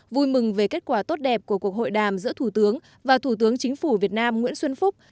vui mừng về kết quả tốt đẹp của cuộc hội đàm giữa thủ tướng và thủ tướng chính phủ việt nam nguyễn xuân phúc